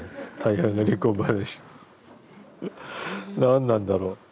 何なんだろう。